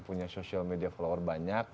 punya social media follower banyak